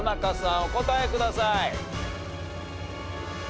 お答えください。